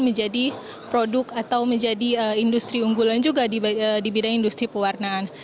menjadi produk atau menjadi industri unggulan juga di bidang industri pewarnaan